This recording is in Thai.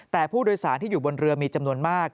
แต่ผู้โดยสารที่อยู่บนเรือมีจำนวนมาก